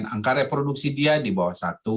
angka reproduksi dia di bawah satu